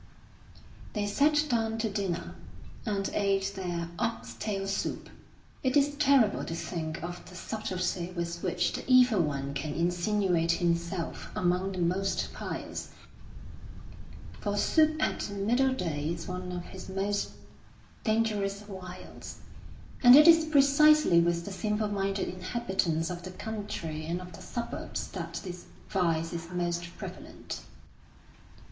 They sat down to dinner, and ate their ox tail soup. It is terrible to think of the subtlety with which the Evil One can insinuate himself among the most pious; for soup at middle day is one of his most dangerous wiles, and it is precisely with the simple minded inhabitants of the country and of the suburbs that this vice is most prevalent.